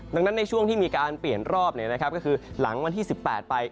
ดังนั้นในช่วงที่มีการเปลี่ยนรอบก็คือหลังวันที่๑๘ไป